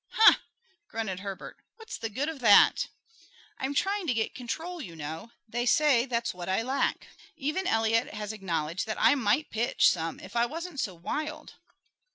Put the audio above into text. "Huh!" grunted Herbert. "What's the good of that?" "I'm trying to get control, you know. They say that's what I lack. Even Eliot has acknowledged that I might pitch some if I wasn't so wild."